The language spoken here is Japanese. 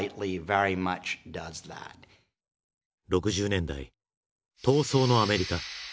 ６０年代「闘争」のアメリカ。